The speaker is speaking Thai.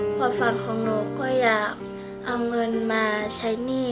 ความฝันของหนูก็อยากเอาเงินมาใช้หนี้